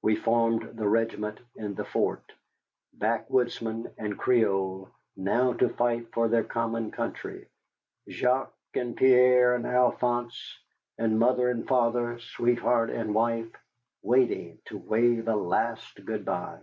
We formed the regiment in the fort, backwoodsman and Creole now to fight for their common country, Jacques and Pierre and Alphonse; and mother and father, sweetheart and wife, waiting to wave a last good by.